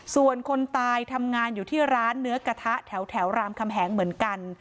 ส่วนคนตายทำงานอยู่ที่ร้านเนื้อกระทะแถวรามคำแหงเหมือนกัน